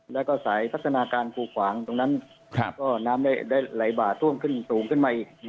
แล้วก็สายพัฒนาการคูขวางตรงนั้นน้ำได้ไหลบ้าสูงขึ้นมาอีก